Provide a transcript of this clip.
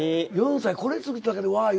４歳これ作っただけでわあ！